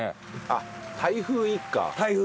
あっ「台風一家」。